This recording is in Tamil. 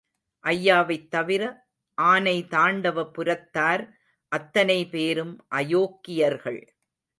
ஐயாவைத் தவிர ஆனைதாண்டவ புரத்தார் அத்தனை பேரும் அயோக்கியர்கள்.